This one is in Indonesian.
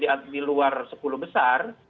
di luar sepuluh besar